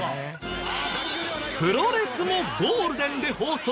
プロレスもゴールデンで放送。